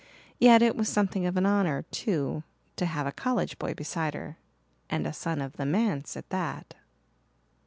Yet it was something of an honour, too, to have a college boy beside her, and a son of the manse at that.